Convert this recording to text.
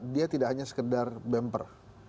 dia tidak hanya sekedar bumper